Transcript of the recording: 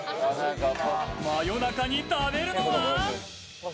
夜中に食べるのは？